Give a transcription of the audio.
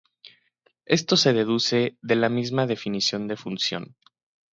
Esto se deduce de la misma definición de función.